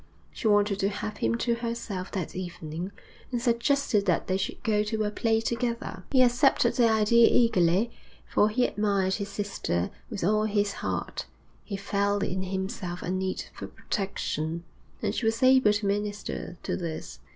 She wanted to have him to herself that evening and suggested that they should go to a play together. He accepted the idea eagerly, for he admired his sister with all his heart; he felt in himself a need for protection, and she was able to minister to this.